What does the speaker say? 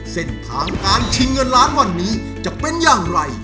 เส้นทางการชิงเงินล้านวันนี้จะเป็นอย่างไร